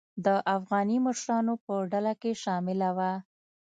د افغاني مشرانو په ډله کې شامله وه.